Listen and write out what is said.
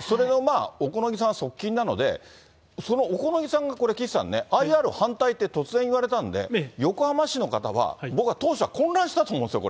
それの小此木さんは側近なので、その小此木さんがこれ、岸さんね、ＩＲ反対って、突然言われたんで、横浜市の方は、僕は当初は混乱したと思うんですよ。